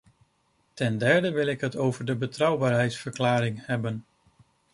Ten derde wil ik het over de betrouwbaarheidsverklaring hebben.